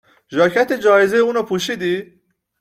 ژاکت جایزه اونو پوشیدی